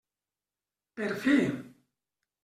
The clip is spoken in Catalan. Per fi!